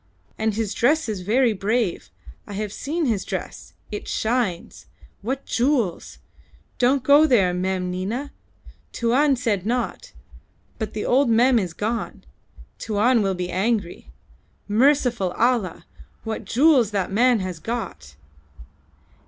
And his dress is very brave. I have seen his dress. It shines! What jewels! Don't go there, Mem Nina. Tuan said not; but the old Mem is gone. Tuan will be angry. Merciful Allah! what jewels that man has got!"